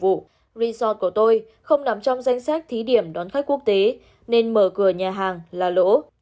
theo ông xí đó là chưa kể đến cơ sở lưu trú của ông không nằm trong danh sách một mươi bốn địa điểm đón khách quốc tế nên mở cửa nhà hàng là lỗ